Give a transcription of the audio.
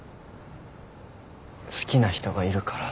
好きな人がいるから。